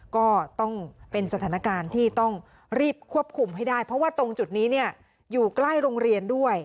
ก็ต้องเป็นสถานการณ์ที่ต้องรีบควบคุมให้ได้เพราะว่าตรงจุดนี้อยู่ใกล้โรงเรียนด้วย